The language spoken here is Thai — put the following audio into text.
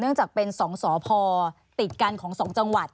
เนื่องจากเป็น๒สอพติดกันของ๒จังหวัด